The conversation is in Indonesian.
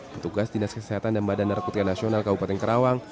petugas dinas kesehatan dan badan narkotika nasional kabupaten karawang